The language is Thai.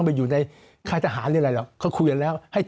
หรือถ้าคุณ